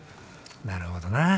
なるほどなぁ。